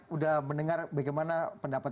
sudah mendengar bagaimana pendapatan dari mas anabie rai